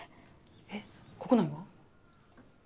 えっ国内は？